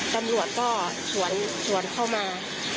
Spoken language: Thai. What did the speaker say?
ตำรวจก็สวนเข้ามา